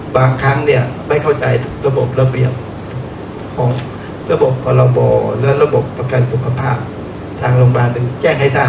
บางครั้งเนี่ยไม่เข้าใจระบบระเบียบของระบบพรบและระบบประกันสุขภาพทางโรงพยาบาลจึงแจ้งให้ทราบ